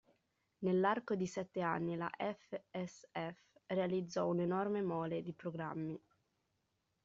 Nell'arco di sette anni la FSF realizzò un'enorme mole di programmi.